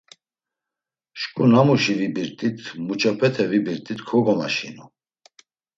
Şǩu namuşi vibirt̆it, muç̌opete vibirt̆it kogomaşinu.